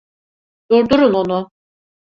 Durdurun onu!